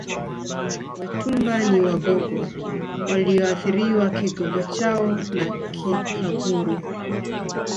Wetumba ni Wagogo walioathiriwa Kigogo chao na Kikaguru